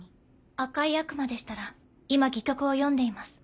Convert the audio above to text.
「赤い悪魔」でしたら今戯曲を読んでいます。